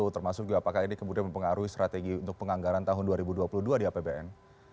termasuk juga apakah ini kemudian mempengaruhi strategi untuk penganggaran tahun dua ribu dua puluh dua di apbn